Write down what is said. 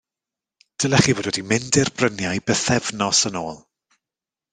Dylech chi fod wedi mynd i'r bryniau bythefnos yn ôl.